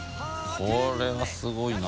これはすごいな。